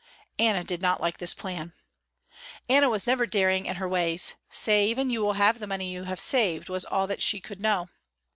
Anna did not like this plan. Anna was never daring in her ways. Save and you will have the money you have saved, was all that she could know.